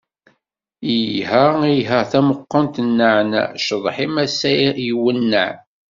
Iha, iha tamuqint n naɛnaɛ, cceḍḥ-im ass-a iwenneɛ.